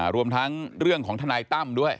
รวมทั้งเรื่องของทนายตั้มด้วย